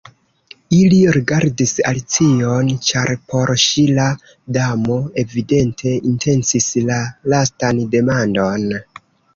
Ili rigardis Alicion, ĉar por ŝi la Damo evidente intencis la lastan demandon.